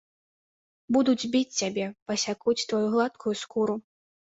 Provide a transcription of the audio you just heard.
Будуць біць цябе, пасякуць тваю гладкую скуру.